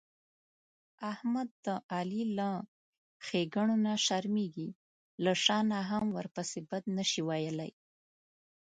احمد د علي له ښېګڼونه شرمېږي، له شا نه هم ورپسې بد نشي ویلای.